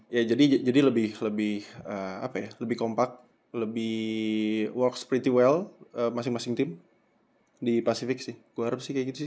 ya jadi lebih lebih apa ya lebih kompak lebih works pretty well masing masing team di pacific sih gue harap sih kayak gitu sih